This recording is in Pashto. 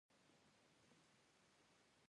افغانستان په اوبزین معدنونه غني دی.